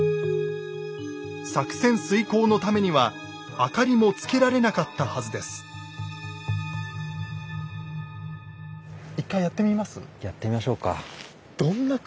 作戦遂行のためには明かりもつけられなかったはずですやってみましょうか。